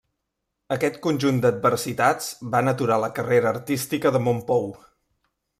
Aquest conjunt d'adversitats van aturar la carrera artística de Mompou.